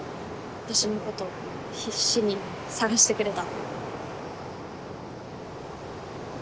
私のこと必死に捜してくれた。